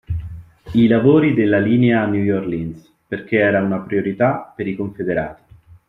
I lavori della linea a New Orleans, perché era una priorità per i Confederati.